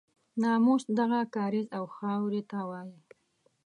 ناموس دغه کاریز او خاورې ته وایي.